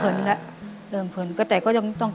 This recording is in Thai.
อเรนนี่คือเหตุการณ์เริ่มต้นหลอนช่วงแรกแล้วมีอะไรอีก